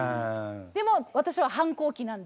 でも私は反抗期なんで。